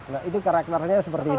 nah itu karakternya seperti itu